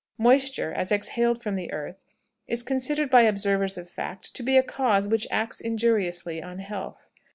Moisture, as exhaled from the earth, is considered by observers of fact to be a cause which acts injuriously on health.